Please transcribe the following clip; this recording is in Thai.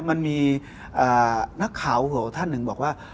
มันมีนักข่าวท่านหนึ่งบอกว่า